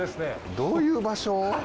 どういう場所？